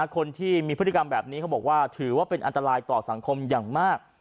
คนที่มีพฤติกรรมแบบนี้เขาบอกว่าถือว่าเป็นอันตรายต่อสังคมอย่างมาก